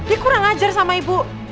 ini kurang ajar sama ibu